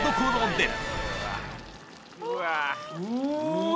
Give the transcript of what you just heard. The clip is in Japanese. うわ。